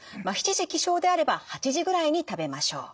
７時起床であれば８時ぐらいに食べましょう。